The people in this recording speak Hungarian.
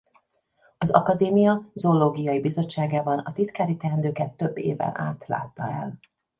Az Akadémia Zoológiai Bizottságában a titkári teendőket több éven át látta el.